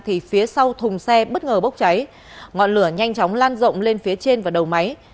thì phía sau thùng xe bất ngờ bốc cháy ngọn lửa nhanh chóng lan rộng lên phía trên và đầu máy